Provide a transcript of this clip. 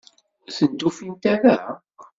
Ur tent-ufint ara?